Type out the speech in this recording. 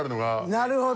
なるほど。